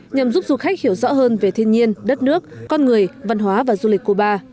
nhằm giúp du khách hiểu rõ hơn về thiên nhiên đất nước con người văn hóa và du lịch cuba